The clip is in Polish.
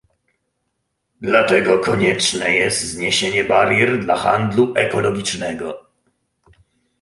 Dlatego konieczne jest zniesienie barier dla handlu ekologicznego